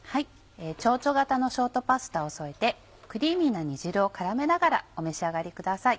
チョウチョウ形のショートパスタを添えてクリーミーな煮汁を絡めながらお召し上がりください。